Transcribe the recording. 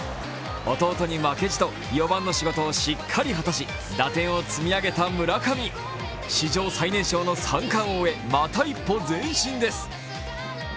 弟に負けじと４番の仕事をしっかり果たし、打点を積み上げた村上、史上最年少の三冠王にまた一歩前進です。